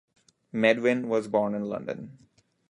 Medwin was born in London.